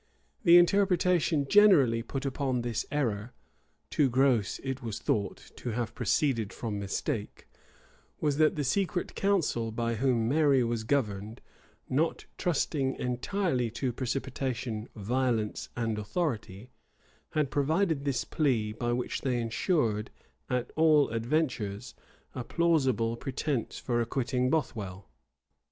[*] The interpretation generally put upon this error, too gross, it was thought, to have proceeded from mistake, was, that the secret council by whom Mary was governed, not trusting entirely to precipitation, violence, and authority, had provided this plea, by which they insured, at all adventures, a plausible pretence for acquitting Bothwell.